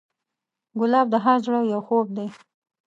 ګلاب د هر زړه یو خوب دی.